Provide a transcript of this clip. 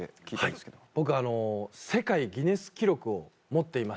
はい僕世界ギネス記録を持っていまして。